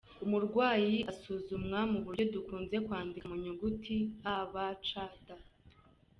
Umurwayi asuzumwa mu buryo dukunze kwandika mu nyuguti A, B, C, D.